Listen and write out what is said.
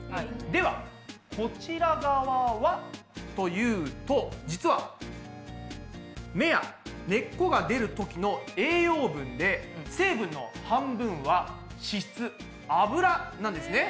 ではこちら側はというと実は芽や根っこが出るときの栄養分で脂なんですね。